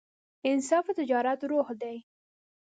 انصاف د تجارت روح دی.